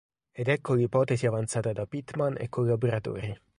Ed ecco l'ipotesi avanzata da Pitman e collaboratori.